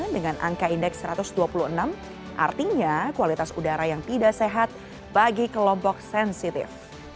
dengan angka indeks satu ratus dua puluh enam artinya kualitas udara yang tidak sehat bagi kelompok sensitif